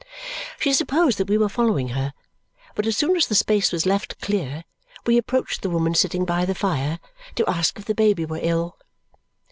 She supposed that we were following her, but as soon as the space was left clear, we approached the woman sitting by the fire to ask if the baby were ill.